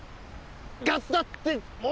ガスだっておーい！